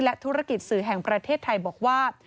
ธุรกิจสื่อแห่งประเทศไทยบอกว่า